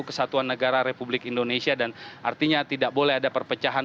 kesatuan negara republik indonesia dan artinya tidak boleh ada perpecahan